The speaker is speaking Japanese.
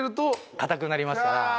かたくなりますから。